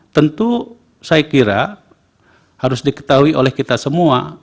tentu saya kira harus diketahui oleh kita semua